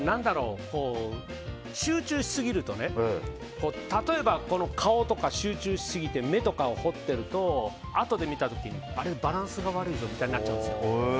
集中しすぎると例えば、顔とか集中しすぎて目とかを彫ってるとあとで見た時にあれ、バランスが悪いぞみたいになっちゃうんですよ。